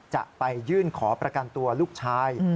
จะไปยื่นขอประกันตัวลูกชาย